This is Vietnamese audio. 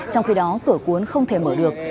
trong khi đó cửa cuốn không thể mở được